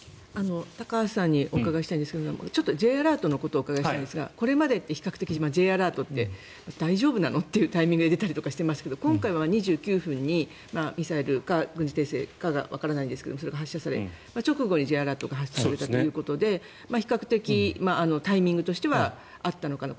高橋さんにお伺いしたいんですがＪアラートのことをお伺いしたいんですがこれまでは比較的Ｊアラートって大丈夫なの？というタイミングで出たりしてましたけど今回は２９分にミサイルか軍事衛星かはわからないですがそれが発射され直後にＪアラートが発出されたということで比較的タイミングとしては合ったのかなと。